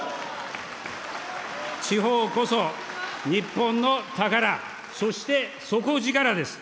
地方こそ日本の宝、そして底力です。